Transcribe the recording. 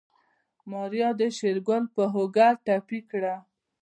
ماريا د شېرګل په اوږه ټپي کړه.